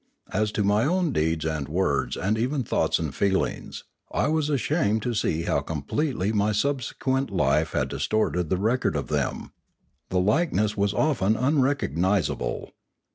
As to my own deeds and words and even thoughts and feelings, I was ashamed to see how com pletely my subsequent life had distorted the record of them; the likeness was often unrecognisable.